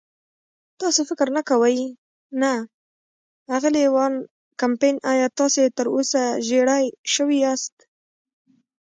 تاسې فکر نه کوئ؟ نه، اغلې وان کمپن، ایا تاسې تراوسه ژېړی شوي یاست؟